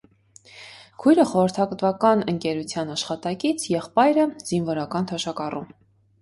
Քույրը՝ խորհրդատվական ընկերության աշխատակից, եղբայրը՝ զինվորական թոշակառու։